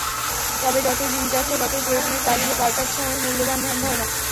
তবে যতই দিন যাচ্ছে, ততই প্রয়োজনের তাগিদে পাল্টাচ্ছে অনেক মূল্যবোধ, ধ্যান-ধারণা।